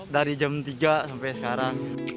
dari jam tiga sampai sekarang